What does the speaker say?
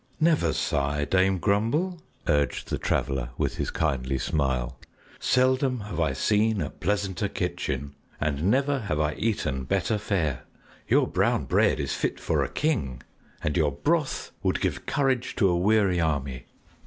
"Never sigh, Dame Grumble!" urged the Traveler with his kindly smile. "Seldom have I seen a pleasanter kitchen, and never have I eaten better fare. Your brown bread is fit for a king, and your broth would give courage to a weary army!"